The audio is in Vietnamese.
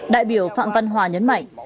đại biểu phạm văn hòa nhấn mạnh